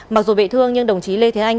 mặc dù bị thương nhưng đồng chí lê thế anh